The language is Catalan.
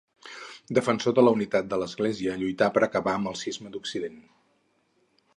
Defensor de la unitat de l'Església, lluità per acabar amb el Cisma d'Occident.